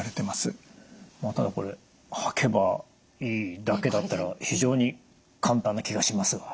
まあただこれ履けばいいだけだったら非常に簡単な気がしますが。